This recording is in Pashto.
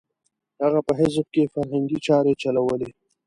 هغه په حزب کې فرهنګي چارې چلولې.